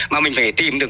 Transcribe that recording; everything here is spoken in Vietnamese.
mà mình phải tìm được